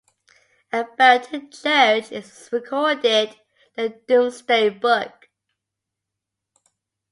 A Belton church is recorded in the "Domesday Book".